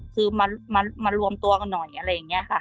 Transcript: คือมารวมตัวกันหน่อยอะไรอย่างนี้ค่ะ